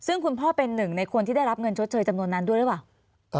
ซึ่งคุณพ่อเป็นหนึ่งในคนที่ได้รับเงินชดเชยจำนวนนั้นด้วยหรือเปล่า